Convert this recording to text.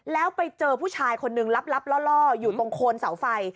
แล้วไปเจอผู้ชายคนนึงลับล่ออยู่ตรงโคนเสาไฟ